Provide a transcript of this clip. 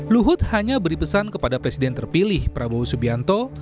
luhut hanya beri pesan kepada presiden terpilih prabowo subianto